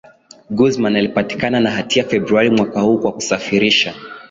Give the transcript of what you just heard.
Guzman alipatikana na hatia Februari mwaka huu kwa kusafirisha